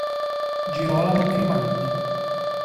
Girolamo Grimaldi